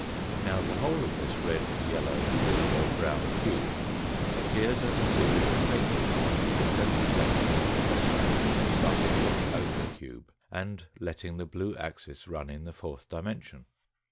Now, the whole of this red, yellow, blue, or brown cube ap j'ig liy pears as a series of faces on the successive sections of the tes seract starting from the ochre cube and letting the blue axis run in the fourth dimension.